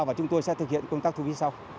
và chúng tôi sẽ thực hiện công tác thu phí sau